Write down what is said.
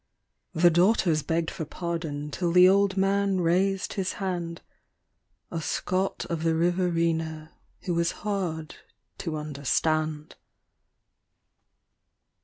The daughters begged for pardon till the old man raised his hand A Scot of the Riverina who was hard to understand.